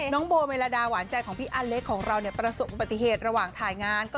น้องโบเมลาดาหวานใจของพี่อลเล็กประสบปฏิเหตุระหว่างถ่ายงาน